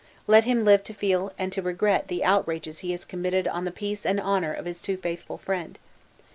Let him live to feel and to regret the outrages he has committed on the peace and honor of his too faithful friend.